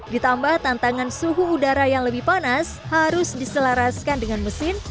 ditambah tantangan suhu udara yang lebih panas harus diselaraskan dengan mesin